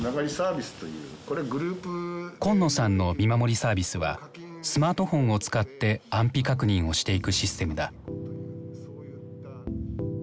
紺野さんの見守りサービスはスマートフォンを使って安否確認をしていくシステムだ。